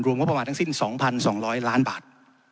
งบประมาณทั้งสิ้น๒๒๐๐ล้านบาท